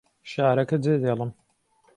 شارەکە جێدێڵم.